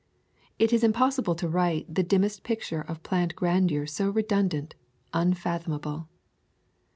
It is impossible to write the dimmest picture of plant grandeur so redundant, unfathomable.